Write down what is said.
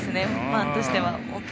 ファンとしては。